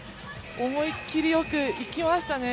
思い切りよくいきましたね。